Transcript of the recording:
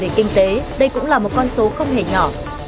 về kinh tế đây cũng là một con số không hề nhỏ